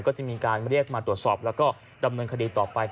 ก็จะมีการเรียกมาตรวจสอบแล้วก็ดำเนินคดีต่อไป